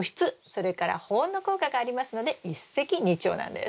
それから保温の効果がありますので一石二鳥なんです。